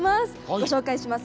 ご紹介します。